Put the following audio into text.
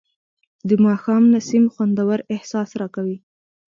د ماښام نسیم خوندور احساس راکوي